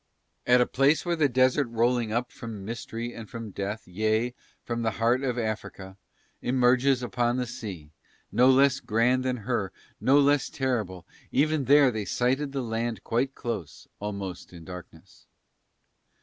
At a place where the desert rolling up from mystery and from death, yea, from the heart of Africa, emerges upon the sea, no less grand than her, no less terrible, even there they sighted the land quite close, almost in darkness.